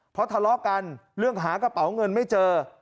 เพราะทะเลาะกันเรื่องหากระเป๋าเงินไม่เจอ